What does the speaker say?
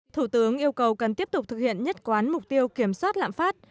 thủ tướng yêu cầu cần tiếp tục thực hiện nhất quán mục tiêu kiểm soát lãm phát